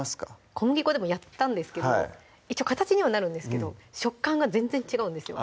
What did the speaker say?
小麦粉でもやったんですけど一応形にはなるんですけど食感が全然違うんですよ